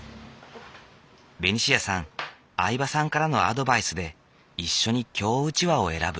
ベニシアさん饗庭さんからのアドバイスで一緒に京うちわを選ぶ。